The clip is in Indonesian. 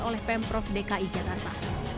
oleh pemprov dki jakarta